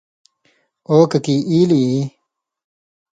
”او ککی ایلیۡ ای“